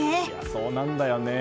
そうなんだよね。